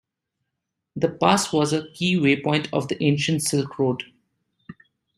The pass was a key waypoint of the ancient Silk Road.